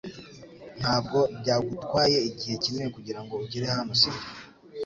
Ntabwo byagutwaye igihe kinini kugirango ugere hano, sibyo?